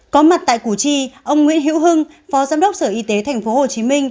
có mặt tại củ chi ông nguyễn hữu hưng phó giám đốc sở y tế tp hcm